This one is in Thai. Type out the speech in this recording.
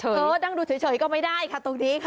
เออนั่งดูเฉยก็ไม่ได้ค่ะตรงนี้ค่ะ